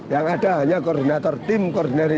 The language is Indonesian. yang ada hanya koordinator tim koordinasi